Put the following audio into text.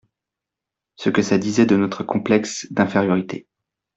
Ce que ça disait de notre complexe d’infériorité.